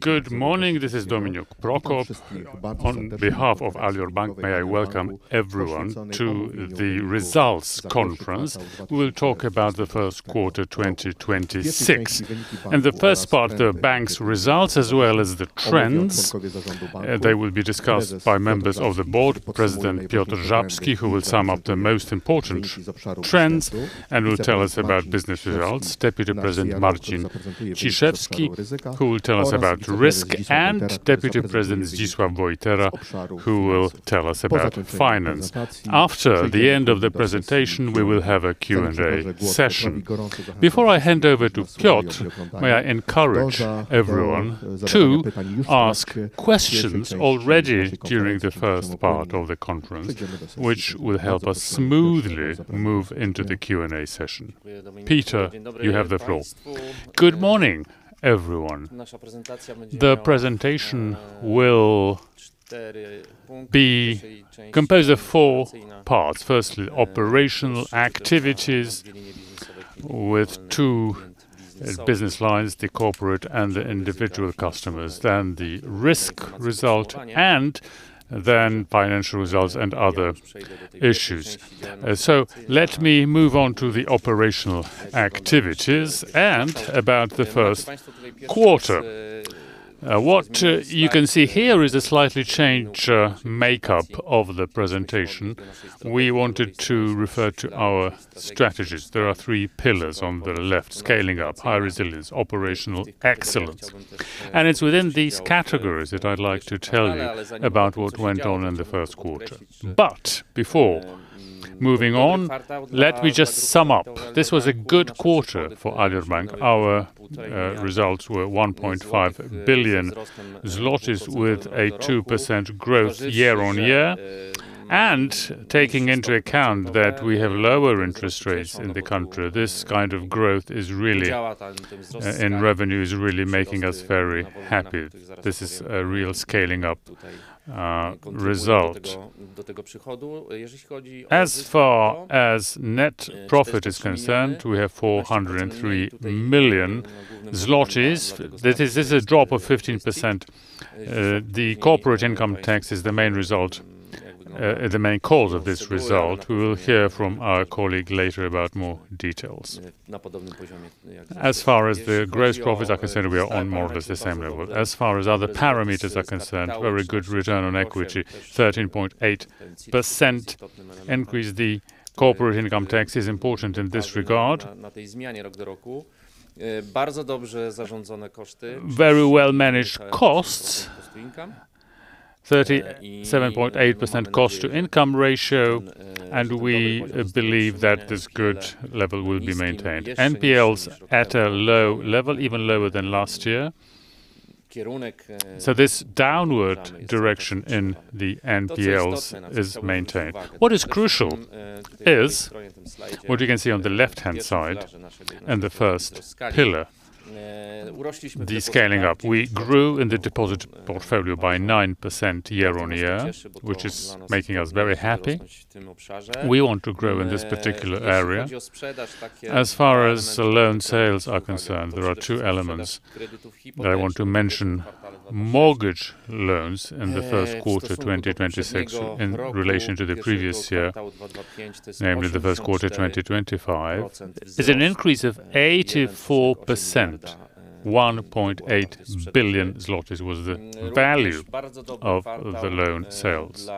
Good morning. This is Dominik Prokop. On behalf of Alior Bank, may I welcome everyone to the results conference. We'll talk about the first quarter, 2026. In the first part, the bank's results, as well as the trends, they will be discussed by members of the board, President Piotr Żabski, who will sum up the most important trends and will tell us about business results. Deputy President Marcin Ciszewski, who will tell us about risk, and Deputy President Zdzisław Wojtera, who will tell us about finance. After the end of the presentation, we will have a Q&A session. Before I hand over to Piotr, may I encourage everyone to ask questions already during the first part of the conference, which will help us smoothly move into the Q&A session. Piotr, you have the floor. Good morning, everyone. The presentation will be composed of four parts. Firstly, operational activities with two business lines, the corporate and the individual customers, then the risk result, and then financial results and other issues. Let me move on to the operational activities and about the first quarter. What you can see here is a slightly changed makeup of the presentation. We wanted to refer to our strategies. There are three pillars on the left, scaling up, high resilience, operational excellence. It's within these categories that I'd like to tell you about what went on in the first quarter. Before moving on, let me just sum up. This was a good quarter for Alior Bank. Our results were 1.5 billion zlotys with a 2% growth year-on-year. Taking into account that we have lower interest rates in the country, this kind of growth is really in revenue is really making us very happy. This is a real scaling up result. As far as net profit is concerned, we have 403 million zlotys. This is a drop of 15%. The corporate income tax is the main result, the main cause of this result. We will hear from our colleague later about more details. As far as the gross profits are concerned, we are on more or less the same level. As far as other parameters are concerned, very good return on equity, 13.8% increase. The corporate income tax is important in this regard. Very well-managed costs, 37.8% cost to income ratio, and we believe that this good level will be maintained. NPLs at a low level, even lower than last year. This downward direction in the NPLs is maintained. What is crucial is what you can see on the left-hand side and the first pillar, the scaling up. We grew in the deposit portfolio by 9% year-on-year, which is making us very happy. We want to grow in this particular area. As far as the loan sales are concerned, there are two elements that I want to mention. Mortgage loans in the first quarter, 2026, in relation to the previous year, namely the first quarter, 2025, is an increase of 84%. 1.8 billion zlotys was the value of the loan sales.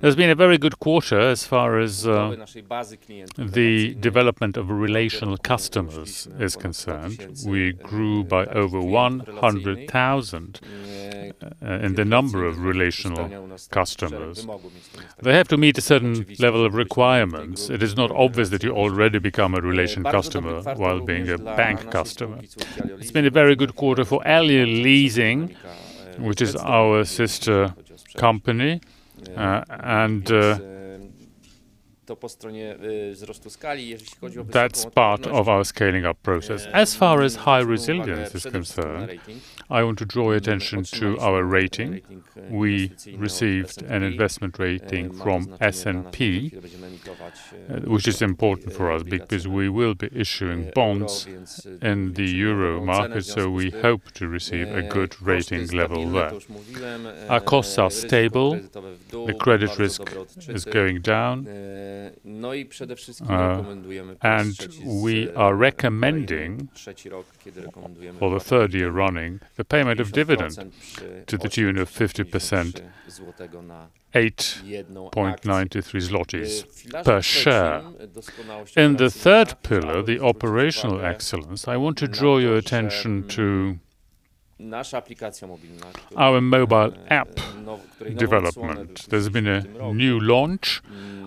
There's been a very good quarter as far as the development of relational customers is concerned. We grew by over 100,000 in the number of relational customers. They have to meet a certain level of requirements. It is not obvious that you already become a relationship customer while being a bank customer. It's been a very good quarter for Alior Leasing, which is our sister company. That's part of our scaling up process. As far as high resilience is concerned, I want to draw your attention to our rating. We received an investment rating from S&P, which is important for us because we will be issuing bonds in the Euro market. We hope to receive a good rating level there. Our costs are stable. The credit risk is going down. We are recommending for the third year running the payment of dividend to the tune of 50%, 8.93 zlotys per share. In the third pillar, the operational excellence, I want to draw your attention to our mobile app development. There's been a new launch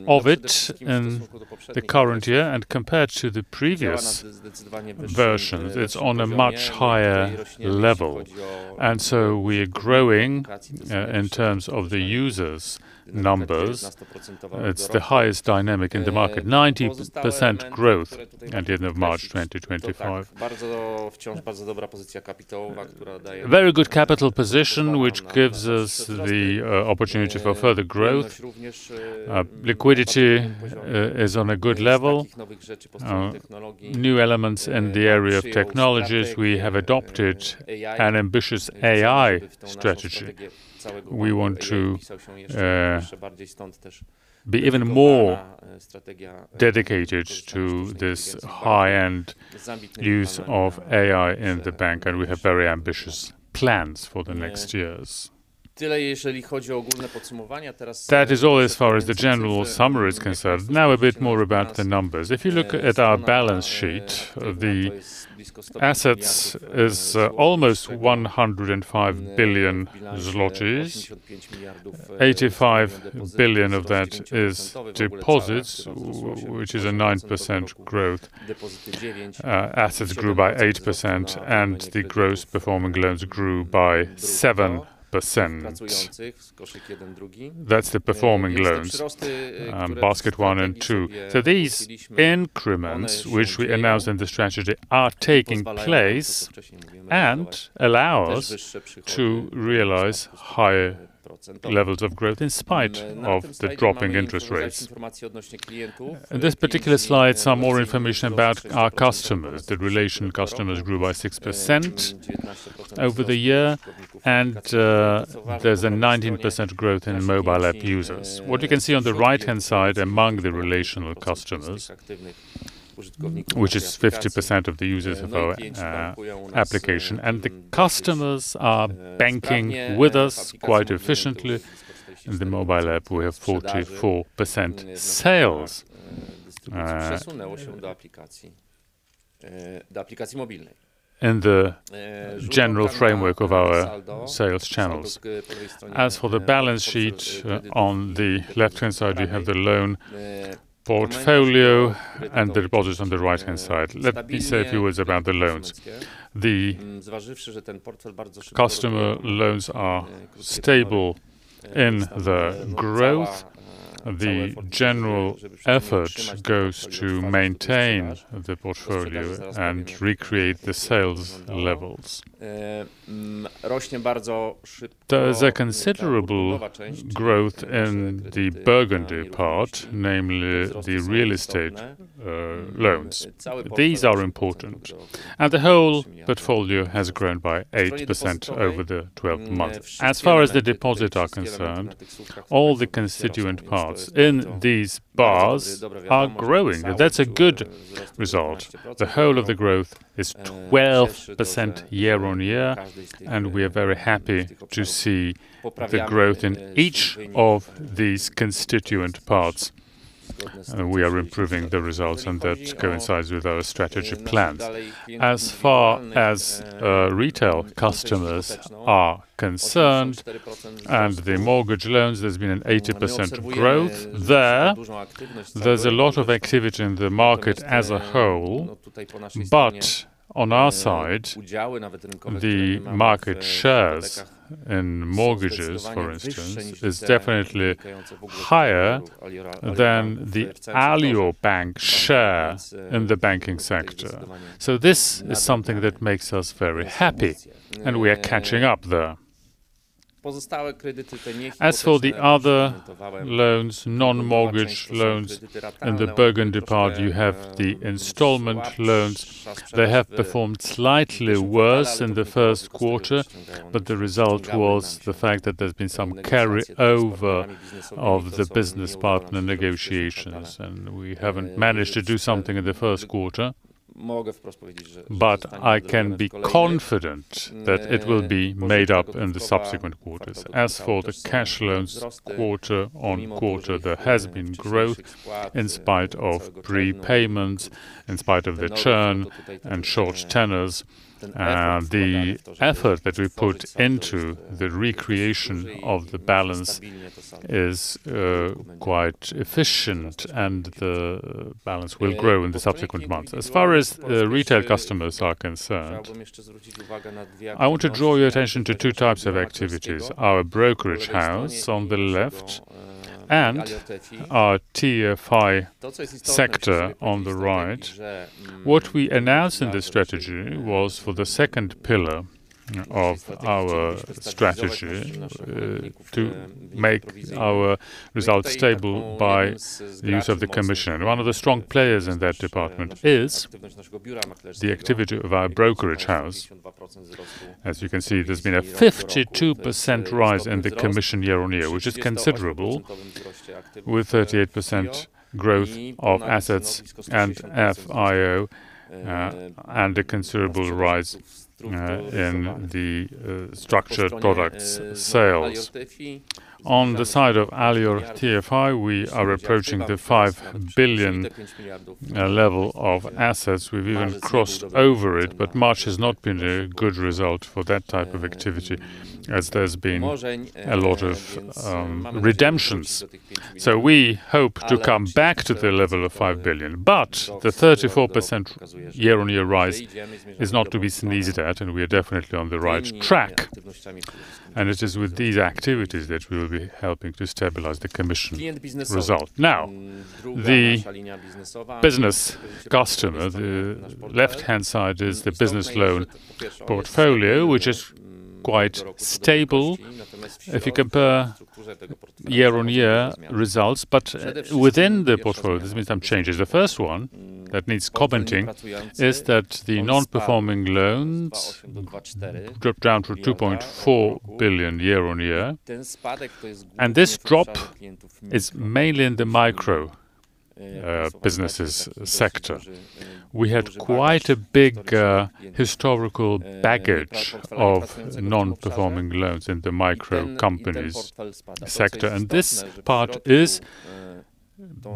of it in the current year, and compared to the previous version, it's on a much higher level. We're growing in terms of the users' numbers. It's the highest dynamic in the market, 90% growth at the end of March 2025. Very good capital position, which gives us the opportunity for further growth. Liquidity is on a good level. New elements in the area of technologies. We have adopted an ambitious AI strategy. We want to be even more dedicated to this high-end use of AI in the bank, and we have very ambitious plans for the next years. That is all as far as the general summary is concerned. Now, a bit more about the numbers. If you look at our balance sheet, the assets is almost 105 billion zlotys. 85 billion of that is deposits, which is a 9% growth. Assets grew by 8%, and the gross performing loans grew by 7%. That's the performing loans, basket 1 and 2. These increments, which we announced in the strategy, are taking place and allow us to realize higher levels of growth in spite of the dropping interest rates. This particular slide, some more information about our customers. The relationship customers grew by 6% over the year, and there's a 19% growth in mobile app users. What you can see on the right-hand side among the relationship customers, which is 50% of the users of our application, and the customers are banking with us quite efficiently. In the mobile app, we have 44% sales in the general framework of our sales channels. As for the balance sheet, on the left-hand side, we have the loan portfolio and the deposits on the right-hand side. Let me say a few words about the loans. The customer loans are stable in the growth. The general effort goes to maintain the portfolio and recreate the sales levels. There's a considerable growth in the burgundy part, namely the real estate loans. These are important. The whole portfolio has grown by 8% over the 12 months. As far as the deposits are concerned, all the constituent parts in these bars are growing. That's a good result. The whole of the growth is 12% year-on-year, and we are very happy to see the growth in each of these constituent parts. We are improving the results, and that coincides with our strategy plans. As far as retail customers are concerned and the mortgage loans, there's been an 80% growth there. There's a lot of activity in the market as a whole, but on our side, the market shares in mortgages, for instance, is definitely higher than the Alior Bank share in the banking sector. This is something that makes us very happy, and we are catching up there. As for the other loans, non-mortgage loans in the burgundy part, you have the installment loans. They have performed slightly worse in the first quarter, but the result was the fact that there's been some carryover of the business partner negotiations, and we haven't managed to do something in the first quarter. I can be confident that it will be made up in the subsequent quarters. As for the cash loans quarter-on-quarter, there has been growth in spite of prepayments, in spite of the churn and short tenors. The effort that we put into the recreation of the balance is quite efficient, and the balance will grow in the subsequent months. As far as the retail customers are concerned, I want to draw your attention to two types of activities, our brokerage house on the left and our TFI sector on the right. What we announced in this strategy was for the second pillar of our strategy to make our results stable by use of the commission. One of the strong players in that department is the activity of our brokerage house. As you can see, there's been a 52% rise in the commission year-over-year, which is considerable, with 38% growth of assets and FIO, and a considerable rise in the structured products sales. On the side of Alior TFI, we are approaching the 5 billion level of assets. We've even crossed over it, but March has not been a good result for that type of activity as there's been a lot of redemptions. We hope to come back to the level of 5 billion, but the 34% year-over-year rise is not to be sneezed at, and we are definitely on the right track. It is with these activities that we will be helping to stabilize the commission result. Now, the business customer, the left-hand side is the business loan portfolio, which is quite stable if you compare year-on-year results. Within the portfolio, there's been some changes. The first one that needs commenting is that the non-performing loans dropped down to 2.4 billion year-on-year, and this drop is mainly in the micro businesses sector. We had quite a big historical baggage of non-performing loans in the micro companies sector, and this part is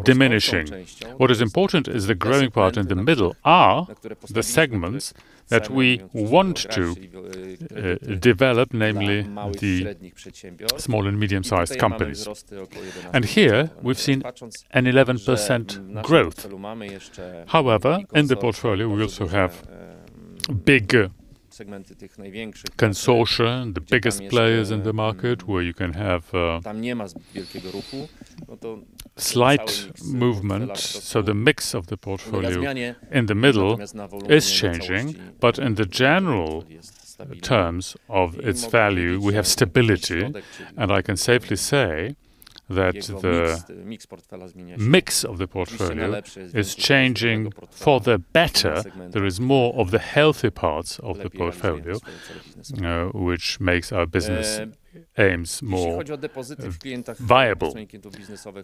diminishing. What is important is the growing part in the middle are the segments that we want to develop, namely the small and medium-sized companies. Here we've seen an 11% growth. However, in the portfolio, we also have big consortia and the biggest players in the market where you can have slight movement. The mix of the portfolio in the middle is changing, but in the general terms of its value, we have stability, and I can safely say that the mix of the portfolio is changing for the better. There is more of the healthy parts of the portfolio, which makes our business aims more viable.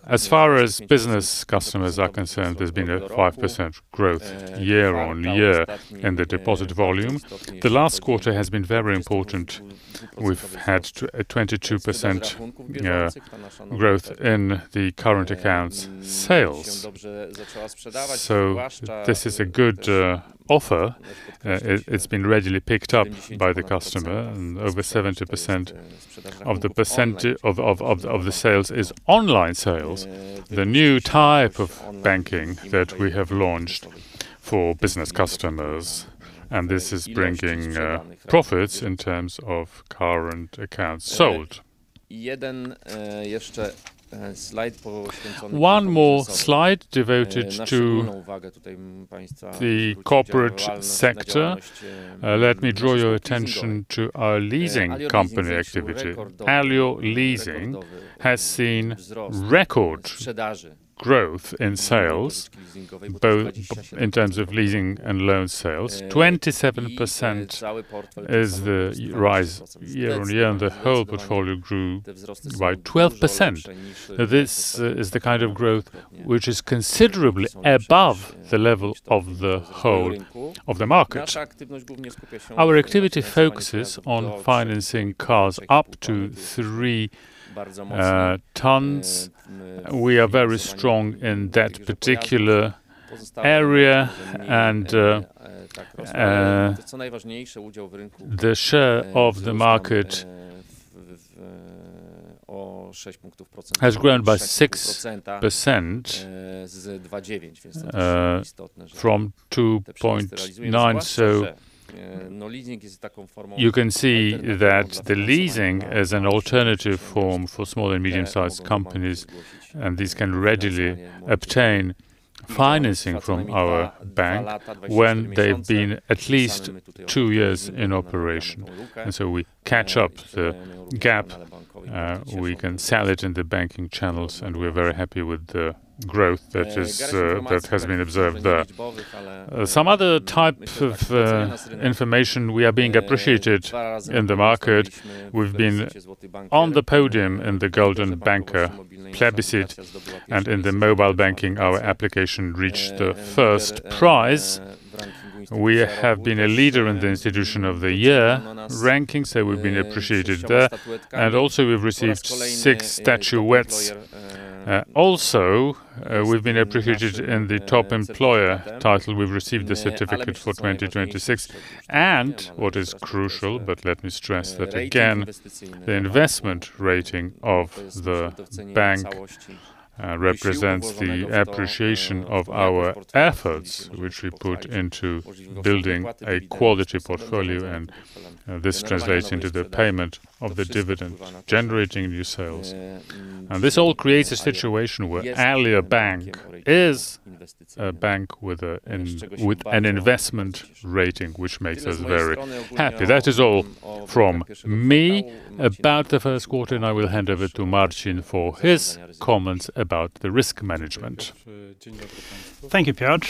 As far as business customers are concerned, there's been a 5% growth year-over-year in the deposit volume. The last quarter has been very important. We've had 22% growth in the current accounts sales. This is a good offer. It's been readily picked up by the customer, and over 70% of the sales is online sales. The new type of banking that we have launched for business customers, and this is bringing profits in terms of current accounts sold. One more slide devoted to the corporate sector. Let me draw your attention to our leasing company activity. Alior Leasing has seen record growth in sales both in terms of leasing and loan sales. 27% is the rise year-on-year, and the whole portfolio grew by 12%. This is the kind of growth which is considerably above the level of the whole of the market. Our activity focuses on financing cars up to 3 tons. We are very strong in that particular area and the share of the market has grown by 6% from 2.9%. You can see that the leasing is an alternative form for small and medium-sized companies, and these can readily obtain financing from our bank when they've been at least two years in operation. We catch up the gap, we can sell it in the banking channels, and we're very happy with the growth that has been observed there. Some other type of information, we are being appreciated in the market. We've been on the podium in the Golden Banker plebiscite and in the mobile banking, our application reached the first prize. We have been a leader in the institution of the year rankings, so we've been appreciated there. We've received six statuettes. We've been appreciated in the Top Employer title. We've received the certificate for 2026. What is crucial, but let me stress that again, the investment rating of the bank represents the appreciation of our efforts which we put into building a quality portfolio, and this translates into the payment of the dividend, generating new sales. This all creates a situation where Alior Bank is a bank with an investment rating, which makes us very happy. That is all from me about the first quarter, and I will hand over to Marcin for his comments about the risk management. Thank you, Piotr.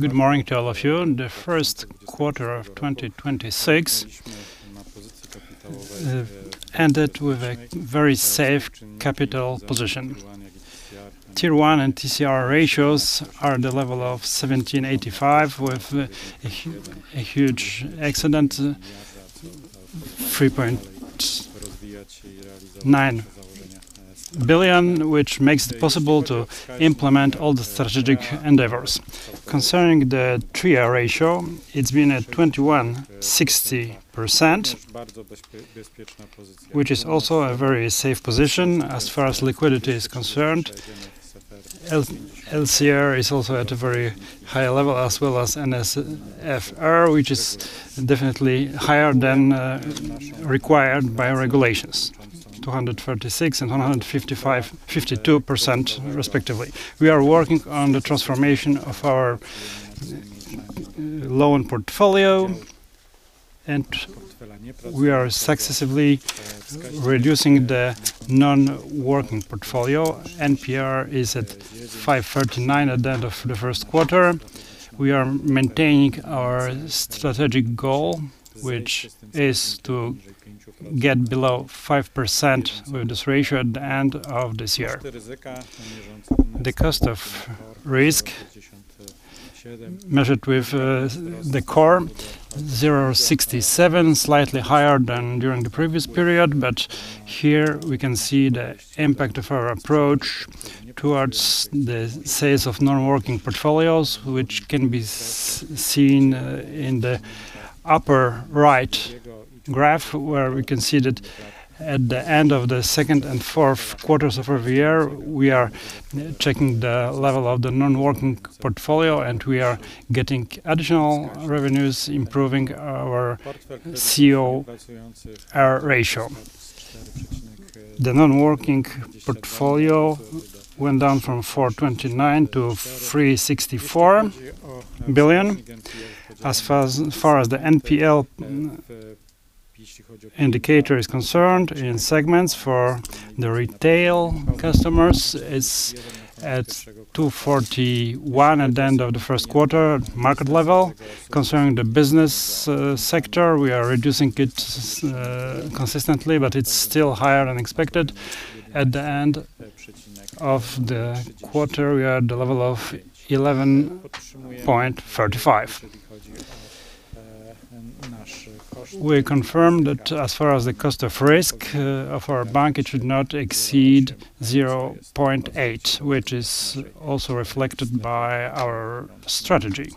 Good morning to all of you. The first quarter of 2026 has ended with a very safe capital position. Tier 1 and TCR ratios are at the level of 17.85%, with a huge excess 3.9 billion, which makes it possible to implement all the strategic endeavors. Concerning the tier ratio, it's been at 21.60%, which is also a very safe position as far as liquidity is concerned. LCR is also at a very high level as well as NSFR, which is definitely higher than required by our regulations, 236% and 155.52% respectively. We are working on the transformation of our loan portfolio, and we are successively reducing the non-performing portfolio. NPL is at 5.39% at the end of the first quarter. We are maintaining our strategic goal, which is to get below 5% with this ratio at the end of this year. The Cost of Risk measured with the CoR, 0.67%, slightly higher than during the previous period. Here we can see the impact of our approach towards the sales of non-performing portfolios, which can be seen in the upper right graph, where we can see that at the end of the second and fourth quarters of every year, we are checking the level of the non-performing portfolio, and we are getting additional revenues, improving our CoR ratio. The non-performing portfolio went down from 4.29 billion to PLN 3.64 billion. As far as the NPL indicator is concerned, in segments for the retail customers is at 2.41% at the end of the first quarter market level. Concerning the business sector, we are reducing it consistently, but it's still higher than expected. At the end of the quarter, we are at the level of 11.35. We confirm that as far as the cost of risk of our bank, it should not exceed 0.8, which is also reflected by our strategy,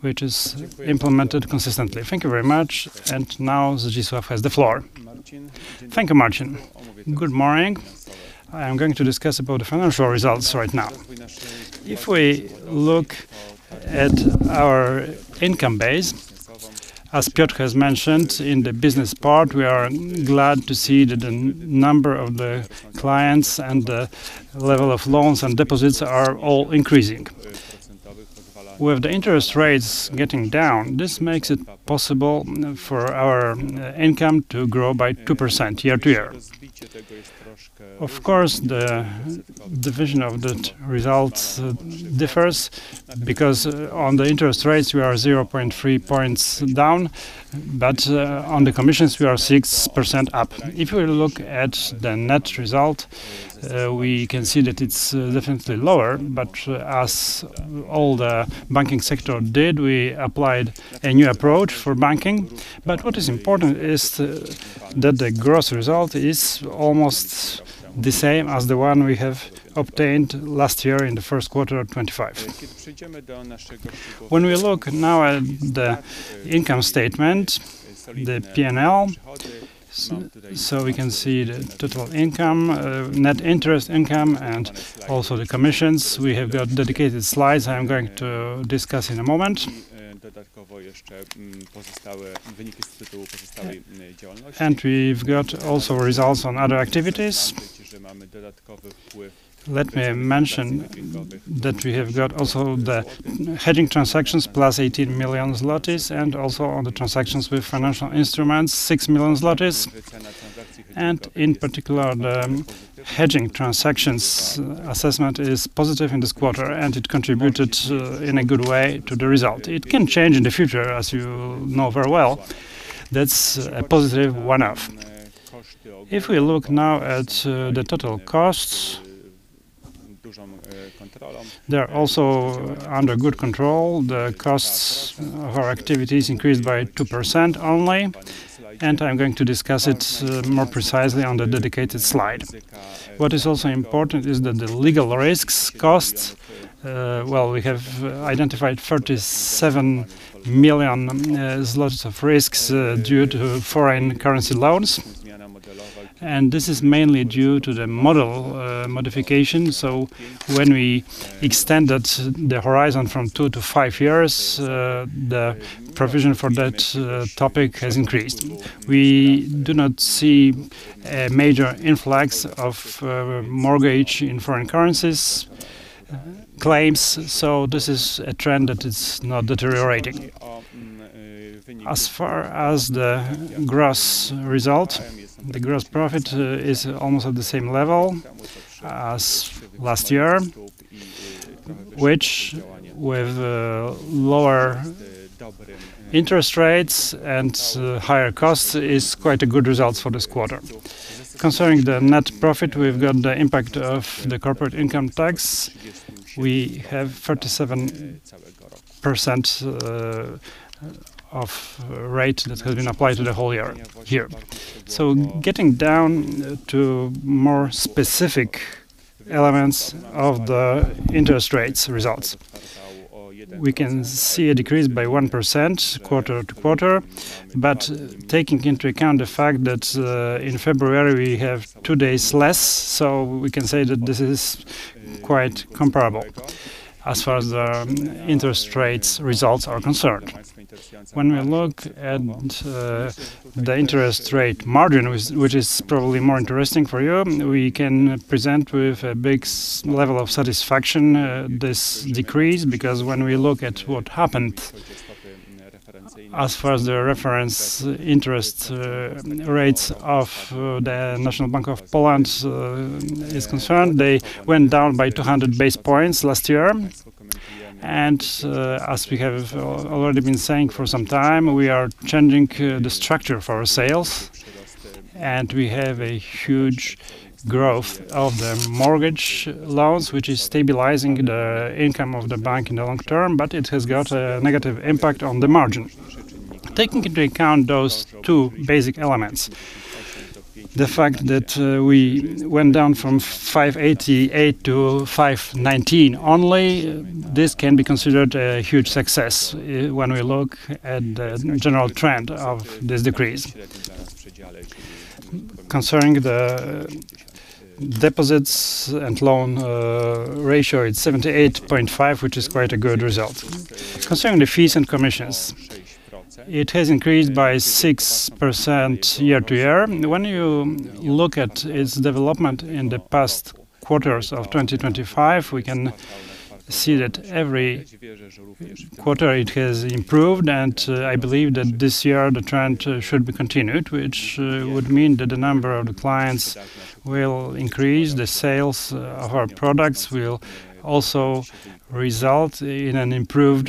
which is implemented consistently. Thank you very much. Now Zdzisław has the floor. Thank you, Marcin. Good morning. I am going to discuss about the financial results right now. If we look at our income base, as Piotr has mentioned in the business part, we are glad to see that the number of the clients and the level of loans and deposits are all increasing. With the interest rates getting down, this makes it possible for our income to grow by 2% year-to-year. Of course, the division of that results differs because on the interest rates, we are 0.3 points down, but on the commissions, we are 6% up. If we look at the net result, we can see that it's definitely lower. As all the banking sector did, we applied a new approach for banking. What is important is that the gross result is almost the same as the one we have obtained last year in the first quarter of 2025. When we look now at the income statement, the P&L, so we can see the total income, net interest income, and also the commissions. We have got dedicated slides I am going to discuss in a moment. We've got also results on other activities. Let me mention that we have got also the hedging transactions, plus 18 million zlotys, and also on the transactions with financial instruments, 6 million zlotys. In particular, the hedging transactions assessment is positive in this quarter, and it contributed in a good way to the result. It can change in the future, as you know very well. That's a positive one-off. If we look now at the total costs, they're also under good control. The costs of our activities increased by 2% only, and I'm going to discuss it more precisely on the dedicated slide. What is also important is that the legal risks costs, well, we have identified 37 million zlotys of risks due to foreign currency loans, and this is mainly due to the model modification. When we extended the horizon from two to five years, the provision for that topic has increased. We do not see a major influx of mortgage in foreign currencies claims, so this is a trend that is not deteriorating. As far as the gross result, the gross profit is almost at the same level as last year, which with lower interest rates and higher costs is quite a good result for this quarter. Concerning the net profit, we've got the impact of the corporate income tax. We have 37% of rate that has been applied to the whole year here. Getting down to more specific elements of the interest rates results. We can see a decrease by 1% quarter-to-quarter, but taking into account the fact that in February, we have two days less, so we can say that this is quite comparable as far as the interest rates results are concerned. When we look at the interest rate margin, which is probably more interesting for you, we can present with a level of satisfaction this decrease. Because when we look at what happened as far as the reference interest rates of the National Bank of Poland is concerned, they went down by 200 basis points last year. As we have already been saying for some time, we are changing the structure of our sales. We have a huge growth of the mortgage loans, which is stabilizing the income of the bank in the long term, but it has got a negative impact on the margin. Taking into account those two basic elements, the fact that we went down from 588 to 519 only, this can be considered a huge success when we look at the general trend of this decrease. Concerning the deposits and loan ratio, it's 78.5, which is quite a good result. Concerning the fees and commissions, it has increased by 6% year-to-year. When you look at its development in the past quarters of 2025, we can see that every quarter it has improved, and I believe that this year the trend should be continued, which would mean that the number of the clients will increase. The sales of our products will also result in an improved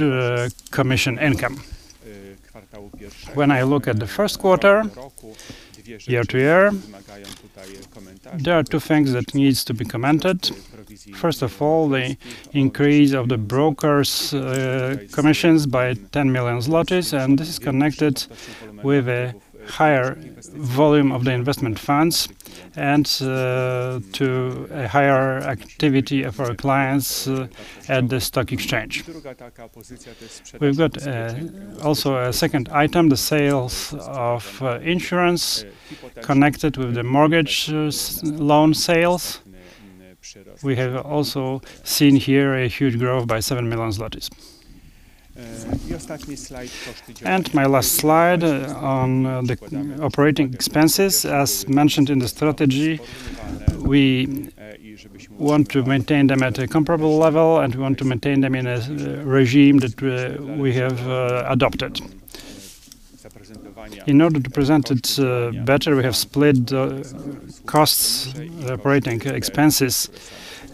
commission income. When I look at the first quarter year-over-year, there are two things that needs to be commented. First of all, the increase of the brokers' commissions by 10 million zlotys, and this is connected with a higher volume of the investment funds and to a higher activity of our clients at the stock exchange. We've got also a second item, the sales of insurance connected with the mortgage loan sales. We have also seen here a huge growth by 7 million zlotys. My last slide on the operating expenses. As mentioned in the strategy, we want to maintain them at a comparable level, and we want to maintain them in a regime that we have adopted. In order to present it better, we have split the costs, the operating expenses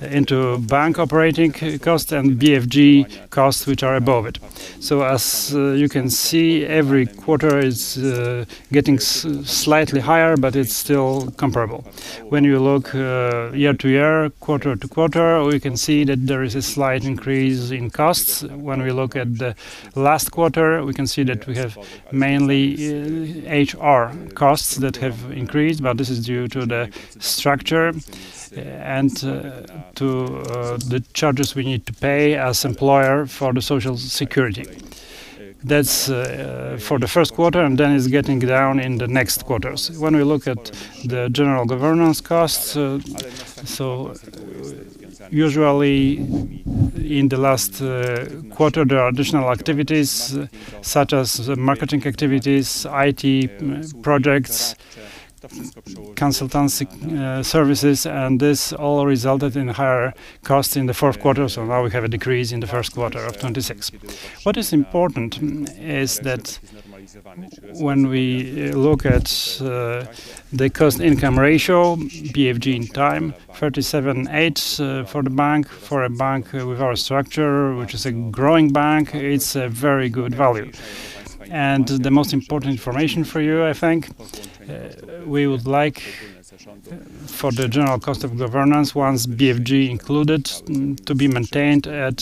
into bank operating cost and BFG costs, which are above it. As you can see, every quarter is getting slightly higher, but it's still comparable. When you look year-to-year, quarter to quarter, we can see that there is a slight increase in costs. When we look at the last quarter, we can see that we have mainly HR costs that have increased, but this is due to the structure and to the charges we need to pay as employer for the social security. That's for the first quarter, and then it's getting down in the next quarters. When we look at the general governance costs, so usually in the last quarter, there are additional activities such as the marketing activities, IT projects, consultancy services, and this all resulted in higher cost in the fourth quarter. Now we have a decrease in the first quarter of 26%. What is important is that when we look at the cost-income ratio being 37.8% for the bank. For a bank with our structure, which is a growing bank, it's a very good value. The most important information for you, I think, we would like for the general cost of governance, once BFG included, to be maintained at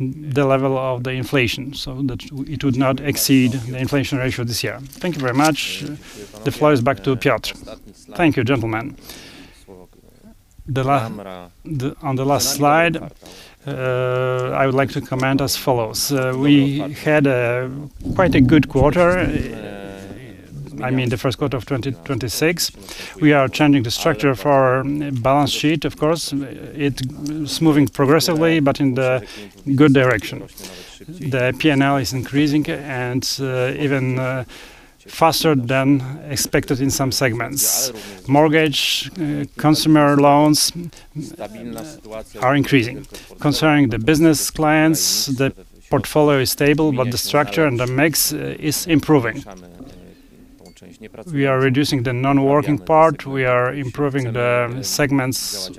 the level of the inflation, so that it would not exceed the inflation ratio this year. Thank you very much. The floor is back to Piotr. Thank you, gentlemen. The, on the last slide, I would like to comment as follows. We had a quite a good quarter, I mean the first quarter of 2026. We are changing the structure of our balance sheet, of course. It's moving progressively, but in the good direction. The P&L is increasing and, even, faster than expected in some segments. Mortgage, consumer loans are increasing. Concerning the business clients, the portfolio is stable, but the structure and the mix, is improving. We are reducing the non-working part. We are improving the segments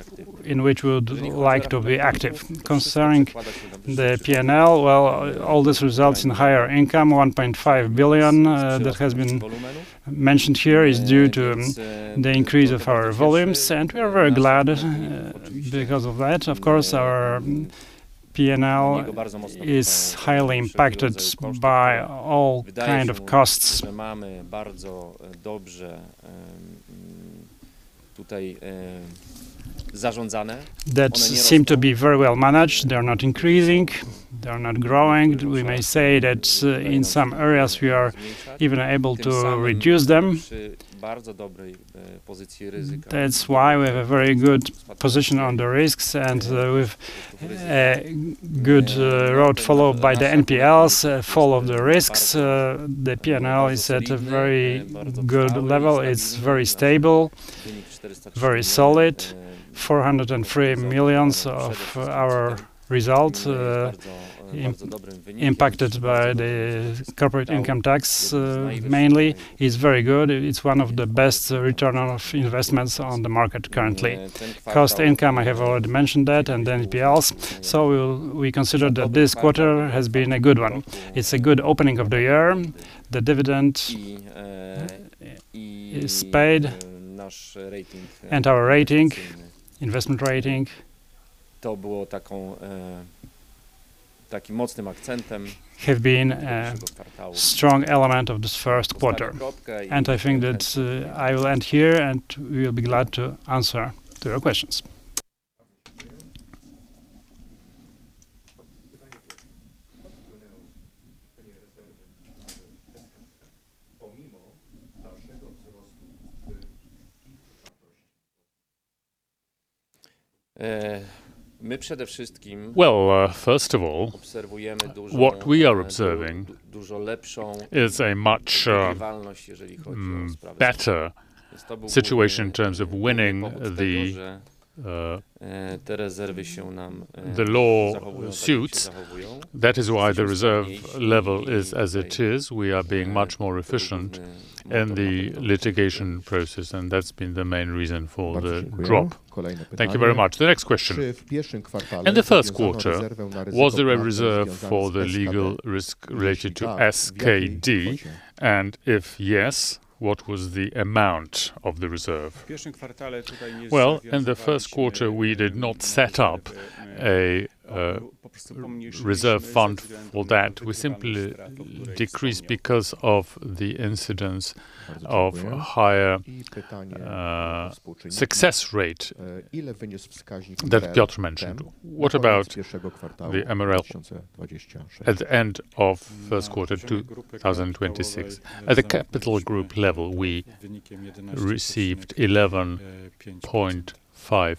in which we would like to be active. Concerning the P&L, well, all this results in higher income. 1.5 billion that has been mentioned here is due to the increase of our volumes, and we are very glad because of that. Of course, our P&L is highly impacted by all kind of costs that seem to be very well managed. They're not increasing. They're not growing. We may say that, in some areas, we are even able to reduce them. That's why we have a very good position on the risks. The P&L is at a very good level. It's very stable, very solid. 403 million of our results impacted by the corporate income tax mainly is very good. It's one of the best return on investments on the market currently. Cost to income, I have already mentioned that, and the NPLs. We consider that this quarter has been a good one. It's a good opening of the year. The dividend is paid and our rating, investment rating have been a strong element of this first quarter. I think that, I will end here, and we'll be glad to answer to your questions. Well, first of all, what we are observing is a much better situation in terms of winning the lawsuits. That is why the reserve level is as it is. We are being much more efficient in the litigation process, and that's been the main reason for the drop. Thank you very much. The next question. In the first quarter, was there a reserve for the legal risk related to SKD? And if yes, what was the amount of the reserve? Well, in the first quarter, we did not set up a reserve fund for that. We simply decreased because of the incidents of higher success rate that Piotr Żabski mentioned. What about the MREL at the end of first quarter 2026? At the Capital Group level, we received 11.5%. The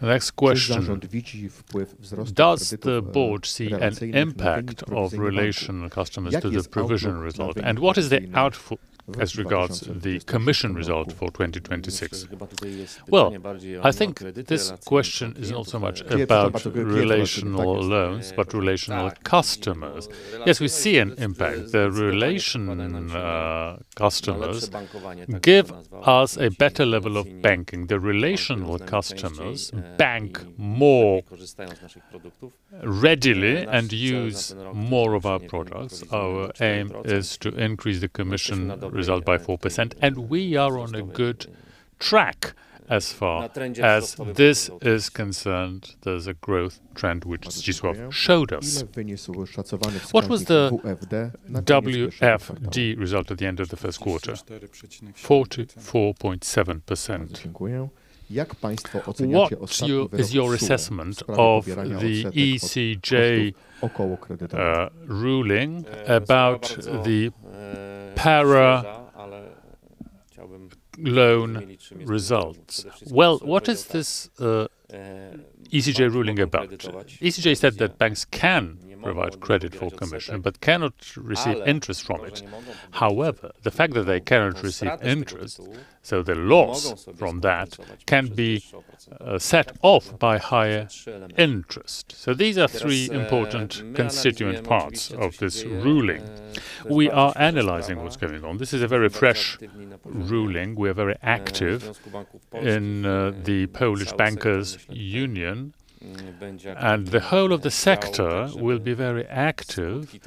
next question. Does the board see an impact of relational customers to the provision result? And what is as regards the commission result for 2026? Well, I think this question is not so much about relational loans but relational customers. Yes, we see an impact. The relational customers give us a better level of banking. The relational customers bank more readily and use more of our products. Our aim is to increase the commission result by 4%, and we are on a good track as far as this is concerned. There's a growth trend, which Zdzisław Wojtera showed us. What was the WFD result at the end of the first quarter? 44.7%. What's your assessment of the ECJ ruling about the parabank loan results? Well, what is this ECJ ruling about? ECJ said that banks can provide credit for commission but cannot receive interest from it. However, the fact that they cannot receive interest, so the loss from that can be set off by higher interest. These are three important constituent parts of this ruling. We are analyzing what's going on. This is a very fresh ruling. We're very active in the Polish Bank Association, and the whole of the sector will be very active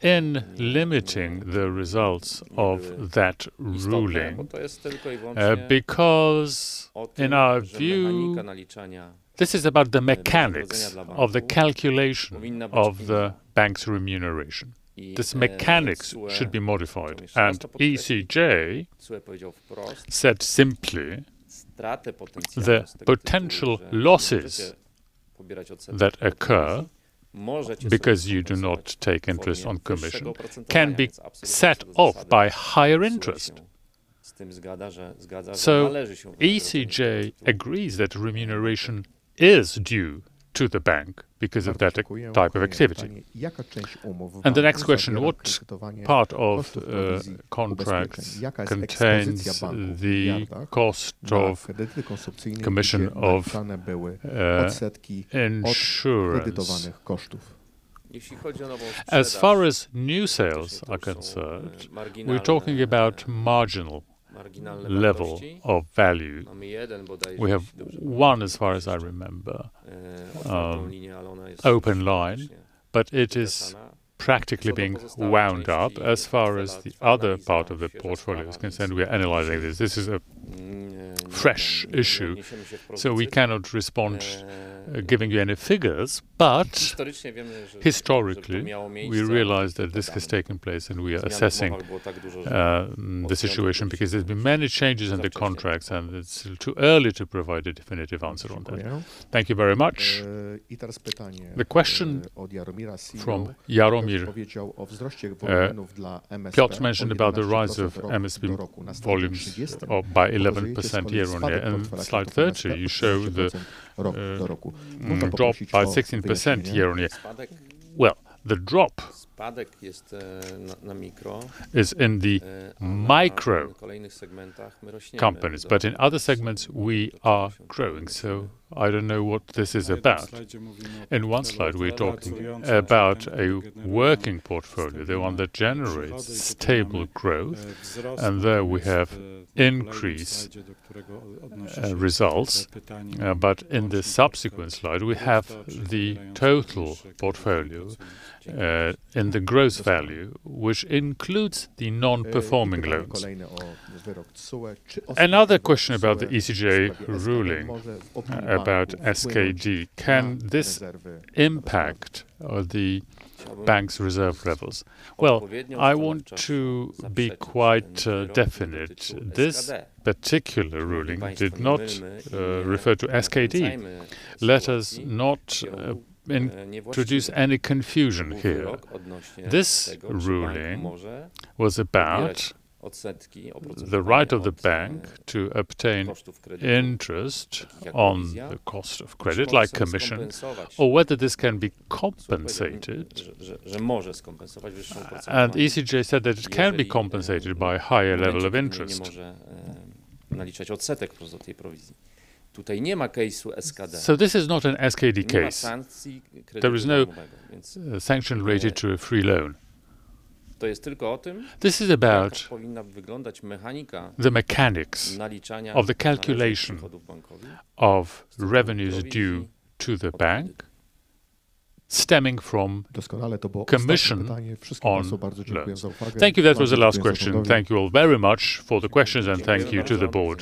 in limiting the results of that ruling. Because in our view, this is about the mechanics of the calculation of the bank's remuneration. This mechanics should be modified. ECJ said simply, the potential losses that occur because you do not take interest on commission can be set off by higher interest. ECJ agrees that remuneration is due to the bank because of that type of activity. The next question, what part of contracts contains the cost of commission of insurance? As far as new sales are concerned, we're talking about marginal level of value. We have one, as far as I remember, open line, but it is practically being wound up. As far as the other part of the portfolio is concerned, we are analyzing this. This is a fresh issue, so we cannot respond giving you any figures. Historically, we realize that this has taken place, and we are assessing the situation because there's been many changes in the contracts, and it's too early to provide a definitive answer on that. Thank you very much. The question from Jaromir. Piotr mentioned about the rise of SMB volumes by 11% year-on-year. In slide 30, you show the drop by 16% year-on-year. Well, the drop is in the micro companies, but in other segments, we are growing. So I don't know what this is about. In one slide, we're talking about a working portfolio, the one that generates stable growth, and there we have increased results. But in the subsequent slide, we have the total portfolio and the gross value, which includes the non-performing loans. Another question about the ECJ ruling about SKD. Can this impact the bank's reserve levels? Well, I want to be quite definite. This particular ruling did not refer to SKD. Let us not introduce any confusion here. This ruling was about the right of the bank to obtain interest on the cost of credit, like commission, or whether this can be compensated. ECJ said that it can be compensated by a higher level of interest. This is not an SKD case. There is no sanction related to a free loan. This is about the mechanics of the calculation of revenues due to the bank stemming from commission on loans. Thank you. That was the last question. Thank you all very much for the questions, and thank you to the board.